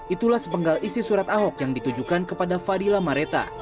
itulah sepenggal isi surat ahok yang ditujukan kepada fadila mareta